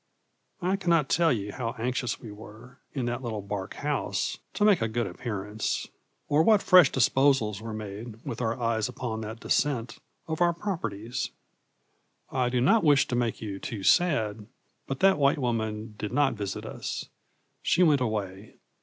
I cannot tell you how anxious we were, in that little bark house, to make a good appearance or what fresh disposals were made, with our eyes upon that descent, of our properties. I do not wish to make you too sad, but that white woman did not visit us. She went away.